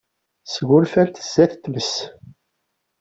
Sgunfant sdat tmes.